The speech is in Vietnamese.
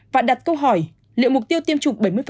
và đặt câu hỏi liệu mục tiêu tiêm chủng bảy mươi